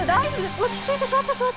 落ち着いて座って座って。